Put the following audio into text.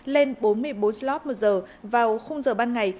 lên bốn mươi bốn slot một giờ vào khung giờ ban ngày